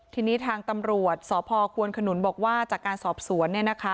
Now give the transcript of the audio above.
ทีนี้ทางตำรวจสพควนขนุนบอกว่าจากการสอบสวน